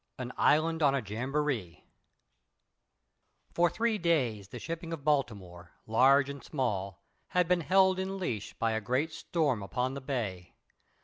An Island On A Jamboree For three days the shipping of Baltimore, large and small, had been held in leash by a great storm upon the bay.